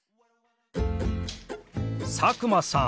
佐久間さん